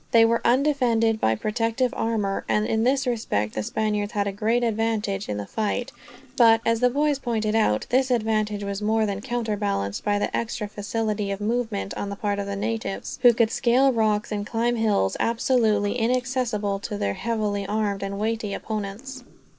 They were undefended by protective amour, and in this respect the Spaniards had a great advantage in the fight; but, as the boys pointed out, this advantage was more than counterbalanced by the extra facility of movement, on the part of the natives, who could scale rocks and climb hills absolutely inaccessible to their heavily armed and weighty opponents.